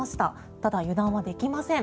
ただ、油断はできません。